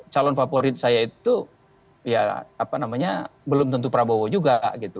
calon favorit saya itu ya apa namanya belum tentu prabowo juga gitu